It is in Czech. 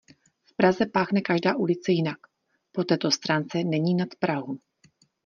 V Praze páchne každá ulice jinak; po této stránce není nad Prahu.